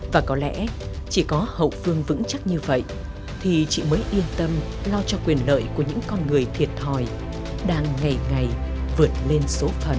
và có lẽ chỉ có hậu phương vững chắc như vậy thì chị mới yên tâm lo cho quyền lợi của những con người thiệt thòi đang ngày ngày vượt lên số phận